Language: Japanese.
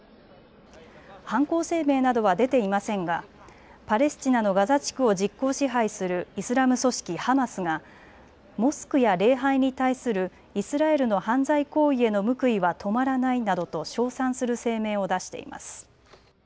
犯行声明などは出ていませんがパレスチナのガザ地区を実効支配するイスラム組織ハマスがモスクや礼拝に対するイスラエルの犯罪行為への報いは止まらないなどと称賛する声明を出しています。